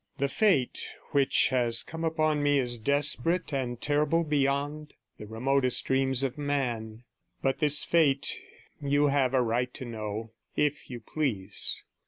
The fate which has come upon me is desperate and terrible beyond the remotest dreams of man; but this fate you have a right to know — if you please.